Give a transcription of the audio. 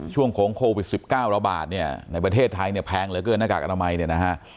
ช่วงของโควิด๑๙ระบาดเนี่ยในประเทศไทยเนี่ยแพงเหลือเกินหน้ากากอนามัยเนี่ยนะฮะ